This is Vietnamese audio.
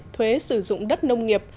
thuế sử dụng đất nông nghiệp